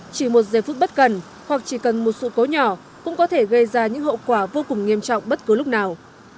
chỉ một giây phút bất cần hoặc chỉ cần một sự cố nhỏ cũng có thể gây ra những hậu quả vô cùng nghiêm trọng bất cứ lúc nào